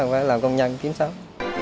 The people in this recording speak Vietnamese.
phải làm công nhân kiếm sống